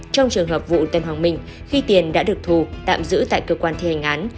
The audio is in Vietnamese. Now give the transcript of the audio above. trong trường hợp vụ tân hoàng minh khi tiền đã được thu tạm giữ tại cơ quan thi hành án